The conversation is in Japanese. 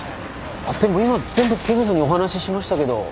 でも今全部刑事さんにお話ししましたけど。